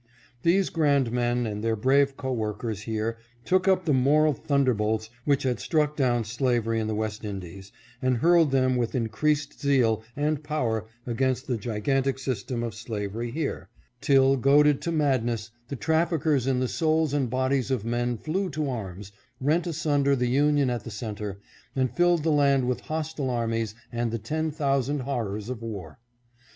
These grand men and their brave co workers here took up the moral thunder bolts which had struck down slavery in the West Indies, and hurled them with in creased zeal and power against the gigantic system of slavery here, till, goaded to madness, the trafficers in the souls and bodies of men flew to arms, rent asunder the Union at the center, and filled the land with hostile armies and the ten thousand horrors of war.